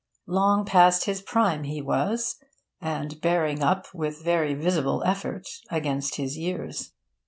Long past his prime he was, and bearing up with very visible effort against his years.